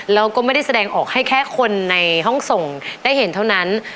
แล้วก็ไม่ได้แสดงออกให้แค่คนในห้องส่งได้เห็นเท่านั้น